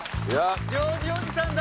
ジョージおじさんだ！